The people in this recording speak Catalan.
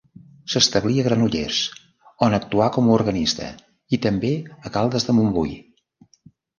S'establí a Granollers, on actuà com a organista, i també a Caldes de Montbui.